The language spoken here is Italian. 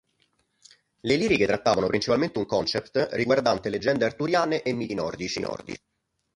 Le liriche trattavano principalmente un concept riguardante leggende arturiane e miti nordici.